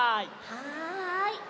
はい。